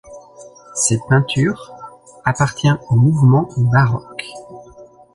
Cette peinture appartient au mouvement baroque.